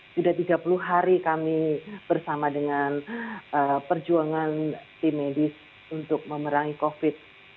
sudah tiga puluh hari kami bersama dengan perjuangan tim medis untuk memerangi covid